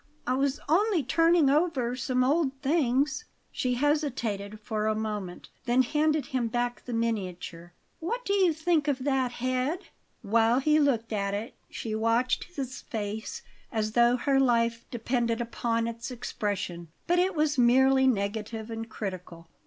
I was only turning over some old things." She hesitated for a moment; then handed him back the miniature. "What do you think of that head?" While he looked at it she watched his face as though her life depended upon its expression; but it was merely negative and critical.